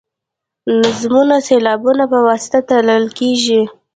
نظمونه د سېلابونو په واسطه تلل کیږي.